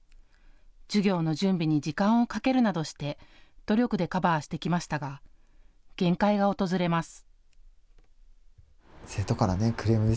授業の準備に時間をかけるなどして努力でカバーしてきましたが限界が訪れます。